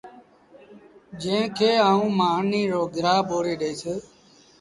جݩهݩ کي آئوٚنٚ مآݩيٚ رو گرآ ٻوڙي ڏئيٚس